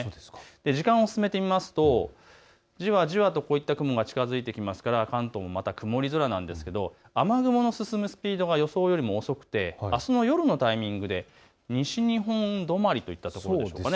時間を進めてみますとじわじわとこういった雲が近づいてきますから関東もまた曇り空なんですけど雨雲が進むスピードが予想よりも遅くて、あすの夜のタイミングで西日本止まりといったところでしょうか。